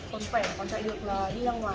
còn khỏe còn chạy được là đi ra ngoài